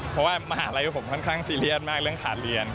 เพราะว่ามหาลัยผมค่อนข้างซีเรียสมากเรื่องฐานเรียน